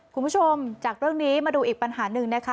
คุณผู้ชมจากเรื่องนี้มาดูอีกปัญหาหนึ่งนะคะ